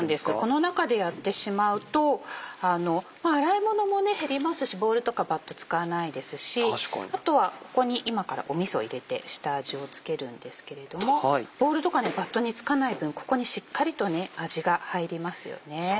この中でやってしまうと洗い物も減りますしボウルとかバット使わないですしあとはここに今からみそ入れて下味を付けるんですけれどもボウルとかバットに付かない分ここにしっかりと味が入りますよね。